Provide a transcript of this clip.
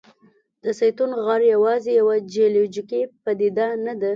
د زیتون غر یوازې یوه جیولوجیکي پدیده نه ده.